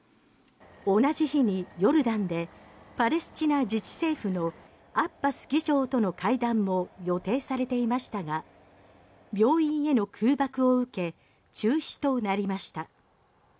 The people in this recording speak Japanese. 同じ日にヨルダンでパレスチナ自治政府のアッバス議長との会談も予定されていましたが病院への空爆を受け中止となりました。